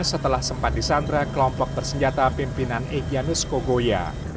setelah sempat disandra kelompok bersenjata pimpinan egyanus kogoya